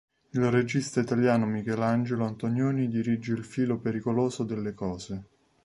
Il regista italiano Michelangelo Antonioni dirige "Il filo pericoloso delle cose".